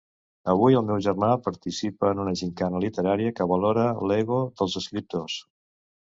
Avui el meu germà participa en una gimcana literària que valora l'ego dels escriptors.